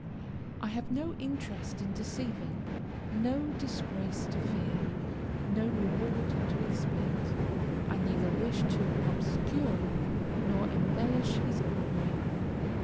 I have no interest in deceiving, no disgrace to fear, no reward to expect. I neither wish to obscure nor embellish his glory.